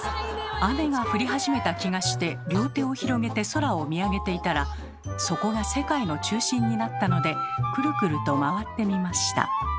雨が降り始めた気がして両手を広げて空を見上げていたらそこが世界の中心になったのでくるくると回ってみました。